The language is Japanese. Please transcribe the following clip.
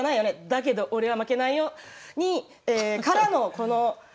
だけど俺は負けないよ」からのこの。